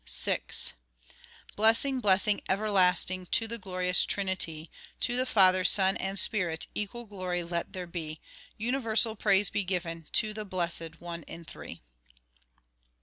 VI Blessing, blessing everlasting, To the glorious Trinity; To the Father, Son, and Spirit, Equal glory let there be; Universal praise be given, To the Blessed One in Three.